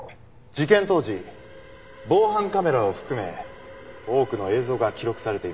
事件当時防犯カメラを含め多くの映像が記録されていました。